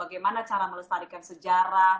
bagaimana cara melestarikan sejarah